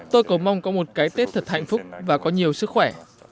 tôi có mong có một cái tết thật hạnh phúc và có nhiều sức khỏe